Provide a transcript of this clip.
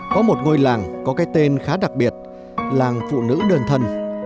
có một ngôi làng có cái tên khá đặc biệt làng phụ nữ đơn thân